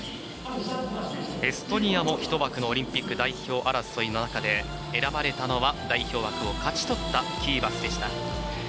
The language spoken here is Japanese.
エストニアも１枠のオリンピック代表争いの中で選ばれたのは代表枠を勝ち取ったキーバスでした。